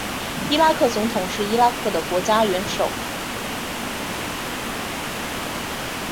伊拉克总统是伊拉克的国家元首。